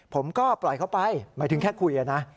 ผมก็ปล่อยเขาไปหมายถึงแค่คุยนะ